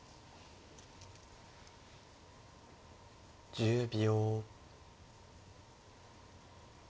１０秒。